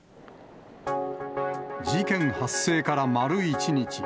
事件発生から丸１日。